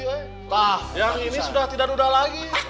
nah yang ini sudah tidak nudah lagi